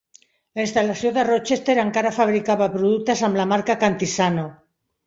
La instal·lació de Rochester encara fabricava productes amb la marca Cantisano.